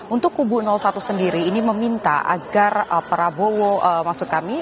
untuk kubu satu sendiri ini meminta agar prabowo maksud kami